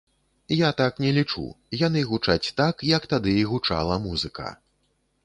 Я так не лічу, яны гучаць так, як тады і гучала музыка.